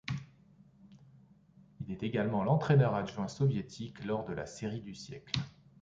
Il est également l'entraîneur adjoint soviétique lors de la Série du siècle.